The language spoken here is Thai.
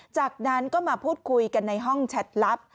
จากนั้นก็มาพูดคุยกันในห้องแชทลับ